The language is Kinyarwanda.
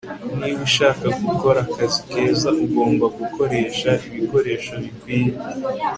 niba ushaka gukora akazi keza, ugomba gukoresha ibikoresho bikwiye